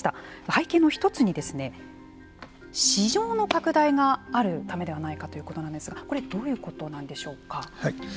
背景の１つに市場の拡大があるためではないかということなんですがこれはどういうことなんでしょうか。